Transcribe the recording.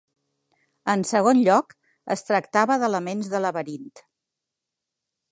En segon lloc, es tractava d'elements de laberint.